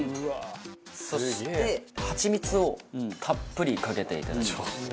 そしてハチミツをたっぷりかけていただきます。